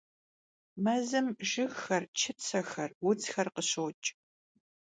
Mezım jjıgxer, çıtsexer, vudzxer khışoç'.